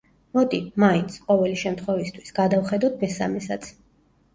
მოდი, მაინც, ყოველი შემთხვევისთვის, გადავხედოთ მესამესაც.